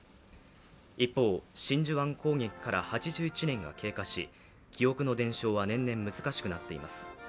一方、真珠湾攻撃から８１年が経過し記憶の伝承は年々難しくなっています。